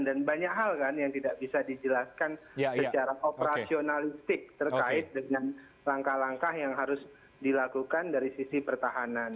dan banyak hal kan yang tidak bisa dijelaskan secara operasionalistik terkait dengan langkah langkah yang harus dilakukan dari sisi pertahanan